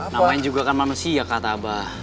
namanya juga kan manusia kata abah